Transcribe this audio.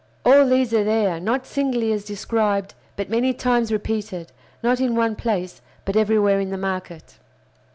All these are there; not singly, as described, but many times repeated; not in one place, but everywhere in the market.